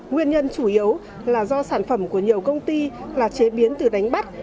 nguyên nhân chủ yếu là do sản phẩm của nhiều công ty là chế biến từ đánh bắt